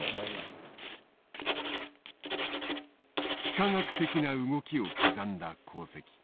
幾何学的な動きを刻んだ航跡。